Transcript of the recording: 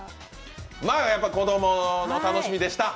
まあ、子供の楽しみでした。